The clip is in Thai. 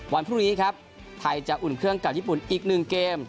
วันพรุ่งนี้ครับไทยจะอุ่นเครื่องกับญี่ปุ่นอีก๑เกม